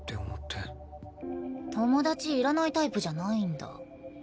友達いらないタイプじゃないんだ。